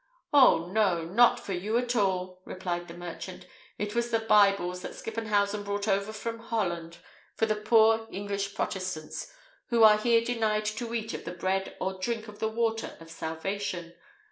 "Oh, no; not for you at all!" replied the merchant. "It was the Bibles that Skippenhausen brought over from Holland, for the poor English protestants, who are here denied to eat of the bread or drink of the water of salvation.